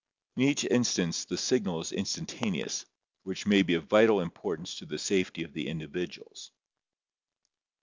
In each instance the signal is instantaneous, which may be of vital importance to the safety of the individuals.